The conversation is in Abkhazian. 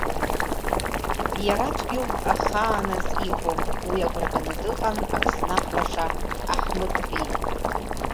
Иараӡәк иоуп ахааназ иҟоу, уи агәра ганы дыҟан аԥснаҳ лаша Аҳмыҭбеи.